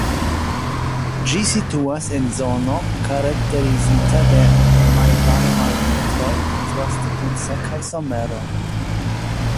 Ĝi situas en zono karakterizita de malvarmaj vintroj, kontraste kun sekaj someroj.